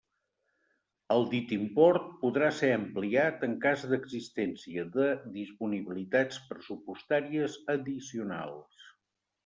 El dit import podrà ser ampliat en cas d'existència de disponibilitats pressupostàries addicionals.